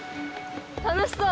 楽しそう！